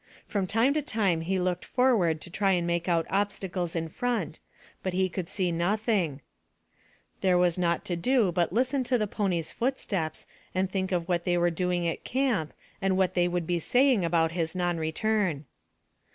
From time to time he looked forward to try and make out obstacles in front, but he could see nothing; there was naught to do but listen to the pony's footsteps and think of what they were doing at camp and what they would be saying about his non return.